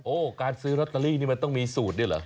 โอ้โหการซื้อลอตเตอรี่นี่มันต้องมีสูตรด้วยเหรอ